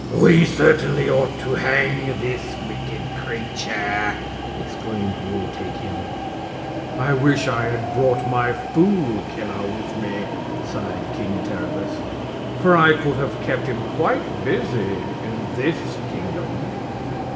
"We certainly ought to hang this wicked creature!" exclaimed Wul Takim. "I wish I had brought my Fool Killer with me," sighed King Terribus; "for I could have kept him quite busy in this kingdom."